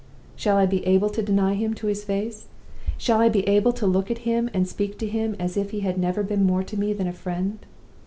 "Shall I be able to deny him to his face? Shall I be able to look at him and speak to him as if he had never been more to me than a friend?